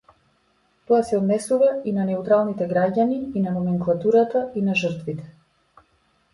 Тоа се однесува и на неутралните граѓани, и на номенклатурата, и на жртвите.